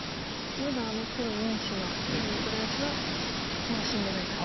まだあの黒４子は下辺の黒４子はまだ死んでないと。